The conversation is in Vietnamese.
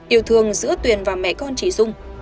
yêu thương giữa tuyền và mẹ con chị dung